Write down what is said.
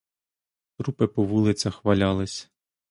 Трупи по вулицях валялись.